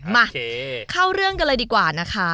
มาเข้าเรื่องกันเลยดีกว่านะคะ